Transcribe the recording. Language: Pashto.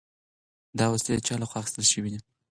دا وسلې د چا له خوا اخیستل شوي دي؟